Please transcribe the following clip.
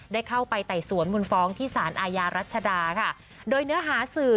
ได้เข้าไปไต่สวนมูลฟ้องที่สารอาญารัชดาค่ะโดยเนื้อหาสื่อ